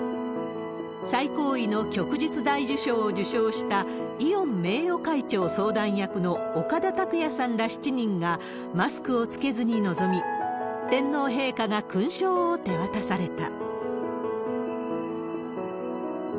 最高位の旭日大綬章を受章した、イオン名誉会長相談役の岡田卓也さんら７人がマスクを着けずに臨み、天皇陛下が勲章を手渡された。